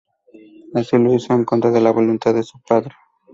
Así lo hizo, en contra de la voluntad de su padre.